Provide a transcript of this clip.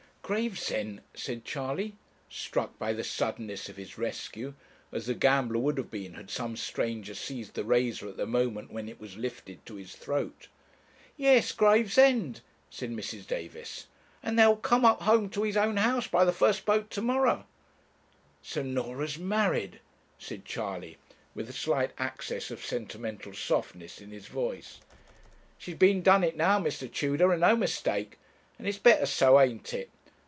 'Gravesend!' said Charley, struck by the suddenness of his rescue, as the gambler would have been had some stranger seized the razor at the moment when it was lifted to his throat. 'Yes, Gravesend,' said Mrs. Davis; 'and they'll come up home to his own house by the first boat to morrow.' 'So Norah's married!' said Charley, with a slight access of sentimental softness in his voice. 'She's been and done it now, Mr. Tudor, and no mistake; and it's better so, ain't it?